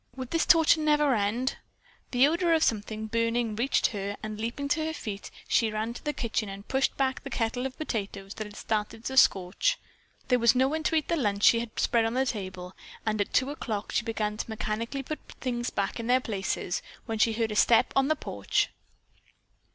Would this torture never end? The odor of something burning reached her and, leaping to her feet, she ran to the kitchen and pushed back the kettle of potatoes that had started to scorch. There was no one to eat the lunch she had spread on the table and at two o'clock she began to mechanically put things back in their places, when she heard a step on the porch.